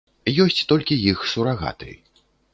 Ёсць толькі іх сурагаты.